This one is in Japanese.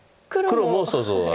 黒もそうそう。